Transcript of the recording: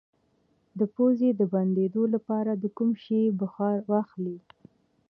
د پوزې د بندیدو لپاره د کوم شي بخار واخلئ؟